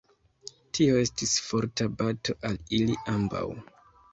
Tio estis forta bato al ili ambaŭ.